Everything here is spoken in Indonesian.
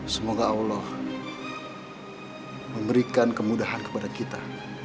semoga allah memberikan kemudahan kepada kita